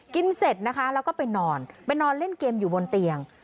เสร็จนะคะแล้วก็ไปนอนไปนอนเล่นเกมอยู่บนเตียง